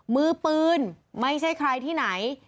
มือปืนไม่ใช่ใครที่ไหน